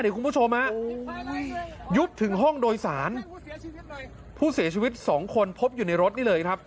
คุณผู้ชมฮะยุบถึงห้องโดยสารผู้เสียชีวิตสองคนพบอยู่ในรถนี่เลยครับ